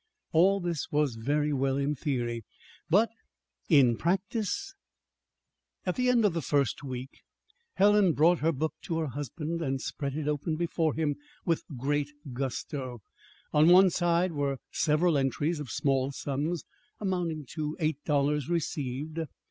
All this was very well in theory. But in practice At the end of the first week Helen brought her book to her husband, and spread it open before him with great gusto. On the one side were several entries of small sums, amounting to eight dollars received.